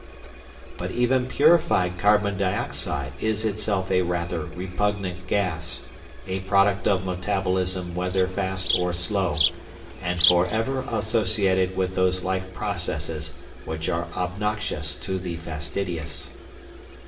But even purified carbon dioxide is itself a rather repugnant gas, a product of metabolism whether fast or slow, and forever associated with those life processes which are obnoxious to the fastidious."